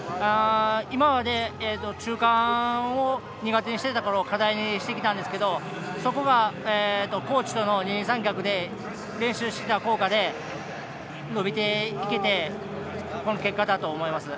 今までは、中間を苦手にしていて課題にしてきたんですけどそこがコーチとの二人三脚で練習してきた効果で伸びていけてこの結果だと思います。